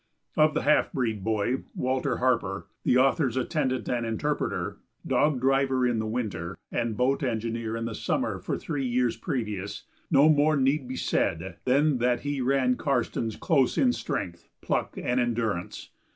Of the half breed boy, Walter Harper, the author's attendant and interpreter, dog driver in the winter and boat engineer in the summer for three years previous, no more need be said than that he ran Karstens close in strength, pluck, and endurance.